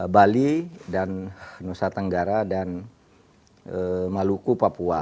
bali dan nusa tenggara dan maluku papua